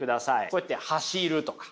こうやって走るとか。